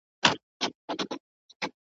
په کمال وه جوړه سوې ډېره کلکه `